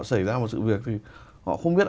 xảy ra một sự việc thì họ không biết